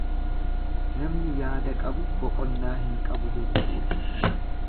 Namni yaada qabu boqonnaa hin qabu jechuudha.